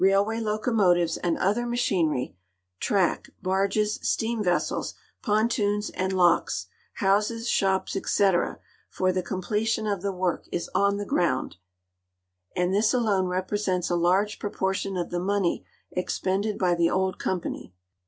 Hill. THE CAXAL ROUTE 63 raihvay locomotives and other machiner}^ track, barges, steam vessels, pontoons and locks, houses, shops, etc., for the comple tion of the v'ork is on the ground, and this alone represents a large proportion of the money expended hy the old company.